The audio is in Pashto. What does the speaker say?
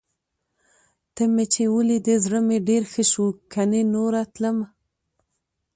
ته مې چې ولیدې، زړه مې ډېر ښه شو. کني نوره تلم.